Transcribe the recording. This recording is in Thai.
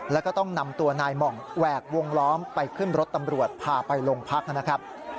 แล้วก็ต้องนำตัวนายหม่องแหวกวงล้อมไปขึ้นรถตำรวจพาไปโรงพักนะครับ